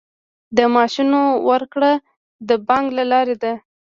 د معاشونو ورکړه د بانک له لارې ده